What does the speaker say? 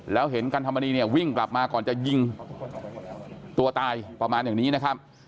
แล้วเห็นกันธรรมนีเนี่ยวิ่งกลับมาก่อนจะยิงตัวตายประมาณอย่างนี้นะครับ